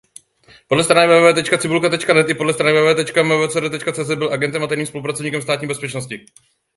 Podle stránek www.cibulka.net i podle stránek www.mvcr.cz byl agentem a tajným spolupracovníkem Státní bezpečnosti.